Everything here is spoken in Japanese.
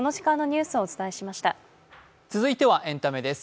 続いてはエンタメです。